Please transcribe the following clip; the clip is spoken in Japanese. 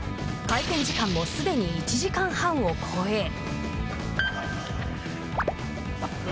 会見時間もすでに１時間半を超え。